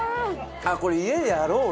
あっこれ家でやろう！